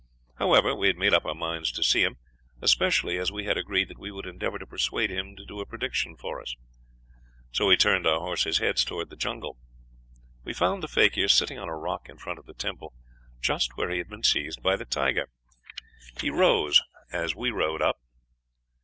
However, we had made up our minds to see him, especially as we had agreed that we would endeavor to persuade him to do a prediction for us; so we turned our horses' heads towards the jungle. We found the fakir sitting on a rock in front of the temple, just where he had been seized by the tiger. He rose as we rode up.